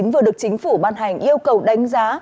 vừa được chính phủ ban hành yêu cầu đánh giá